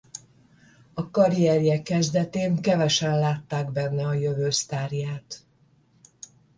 A karrierje kezdetén kevesen látták benne a jövő sztárját.